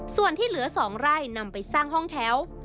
ส่วนที่เหลือ๒ไร่นำไปสร้างห้องแถว